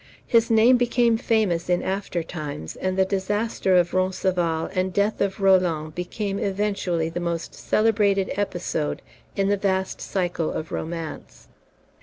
His name became famous in after times, and the disaster of Roncesvalles and death of Roland became eventually the most celebrated episode in the vast cycle of romance.